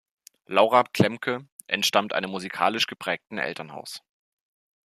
Laura Klemke entstammt einem musikalisch geprägten Elternhaus.